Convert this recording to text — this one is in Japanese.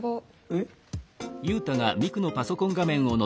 えっ？